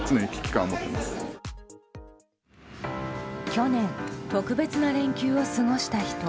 去年、特別な連休を過ごした人。